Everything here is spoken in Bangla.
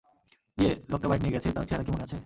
য়ে লোকটা বাইক নিয়ে গেছে, তার চেহারা কি মনে আছে?